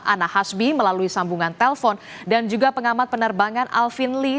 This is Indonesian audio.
ana hasbi melalui sambungan telpon dan juga pengamat penerbangan alvin lee